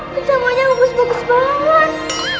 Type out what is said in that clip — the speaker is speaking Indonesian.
kecambahnya bagus bagus banget